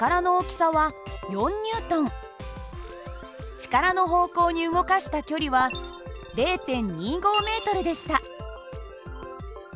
力の方向に動かした距離は０．２５ｍでした。